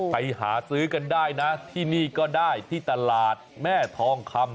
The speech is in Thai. ไปหาซื้อกันได้นะที่นี่ก็ได้ที่ตลาดแม่ทองคำ